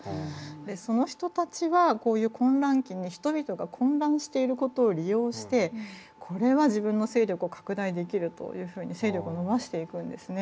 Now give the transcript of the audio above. その人たちはこういう混乱期に人々が混乱している事を利用してこれは自分の勢力を拡大できるというふうに勢力を伸ばしていくんですね。